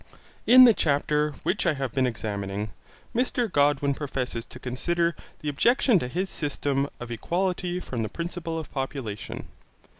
In the chapter which I have been examining, Mr Godwin professes to consider the objection to his system of equality from the principle of population.